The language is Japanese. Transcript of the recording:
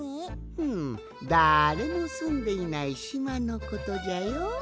ふむだれもすんでいないしまのことじゃよ。